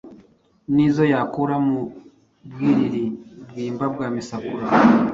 N’izo yakura mu Bwiriri, Bwimba bwa Misakura.